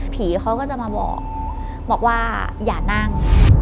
เขาก็จะมาบอกบอกว่าอย่านั่ง